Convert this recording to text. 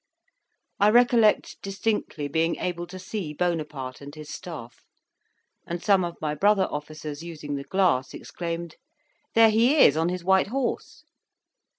I recollect distinctly being able to see Bonaparte and his staff; and some of my brother officers using the glass, exclaimed, "There he is on his white horse."